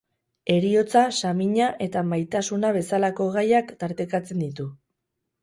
Heriotza, samina eta maitasuna bezalako gaiak tartekatzen ditu.